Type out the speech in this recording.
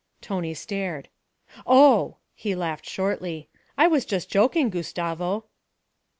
Tony stared. 'Oh!' he laughed shortly. 'I was just joking, Gustavo.'